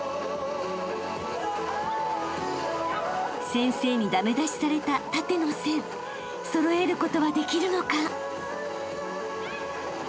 ［先生に駄目出しされた縦の線揃えることはできるのか］